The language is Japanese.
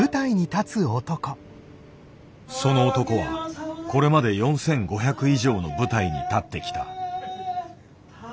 その男はこれまで４５００以上の舞台に立ってきた。